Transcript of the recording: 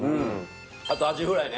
あとアジフライね